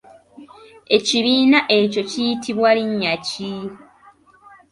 Ekibiina ekyo kiyitibwa linnya ki?